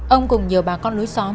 ông cùng nhiều bà con lối xóm